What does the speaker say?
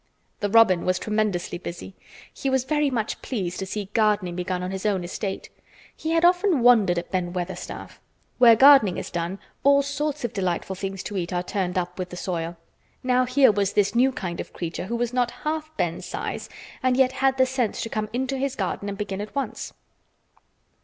The robin was tremendously busy. He was very much pleased to see gardening begun on his own estate. He had often wondered at Ben Weatherstaff. Where gardening is done all sorts of delightful things to eat are turned up with the soil. Now here was this new kind of creature who was not half Ben's size and yet had had the sense to come into his garden and begin at once.